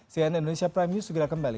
cnn indonesia prime news segera kembali